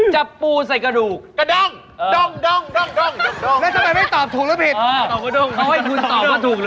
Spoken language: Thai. จับปูใส่กระดูก